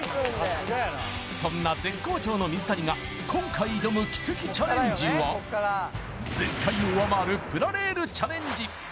そんな絶好調の水谷が今回挑む奇跡チャレンジは前回を上回るプラレールチャレンジ